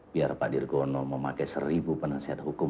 biar pak dirgo ono memakai seribu penasihat hukum